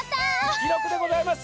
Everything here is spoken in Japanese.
きろくでございます。